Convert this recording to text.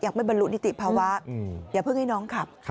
ไม่บรรลุนิติภาวะอย่าเพิ่งให้น้องขับ